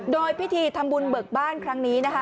โดยพิธีทำบุญเบิกบ้านครั้งนี้นะคะ